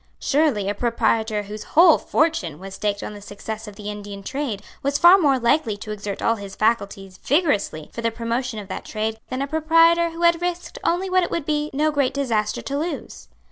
Surely a proprietor whose whole fortune was staked on the success of the Indian trade was far more likely to exert all his faculties vigorously for the promotion of that trade than a proprietor who had risked only what it would be no great disaster to lose.